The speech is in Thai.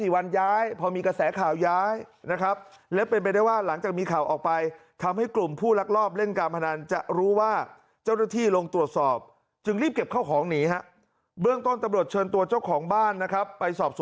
๓๔วันย้ายพระมีกระแสข่าย้ายนะครับ